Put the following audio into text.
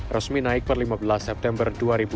resmi naik per lima belas september dua ribu dua puluh